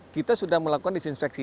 kita sudah melakukan disinfeksi